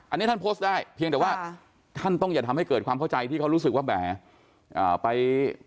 อันนี้ท่านโพสต์ได้เพียงแต่ว่าท่านต้องอย่าทำให้เกิดความเข้าใจที่เขารู้สึกว่าแหมไป